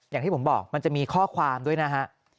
อย่างที่ผมบอกมันจะมีข้อความด้วยนะฮะ